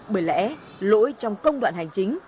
bởi lẽ lỗi trong công đoạn hành chính